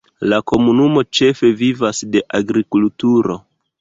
La komunumo ĉefe vivas de agrikulturo.